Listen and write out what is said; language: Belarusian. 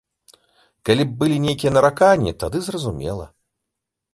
Калі б былі нейкія нараканні, тады зразумела.